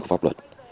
của pháp luật